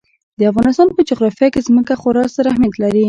د افغانستان په جغرافیه کې ځمکه خورا ستر اهمیت لري.